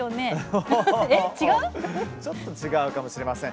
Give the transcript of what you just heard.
ちょっと違うかもしれません。